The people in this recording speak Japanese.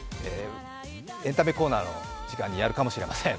エンタメコーナーの時間にやるかもしれません。